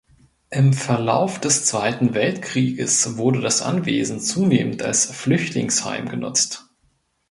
Im Verlauf des Zweiten Weltkrieges wurde das Anwesen zunehmend als Flüchtlingsheim genutzt.